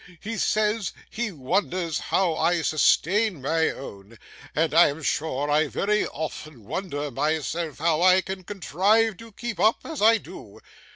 He says he wonders how I sustain my own, and I am sure I very often wonder myself how I can contrive to keep up as I do.